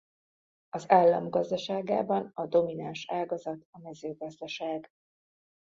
Az állam gazdaságában a domináns ágazat a mezőgazdaság.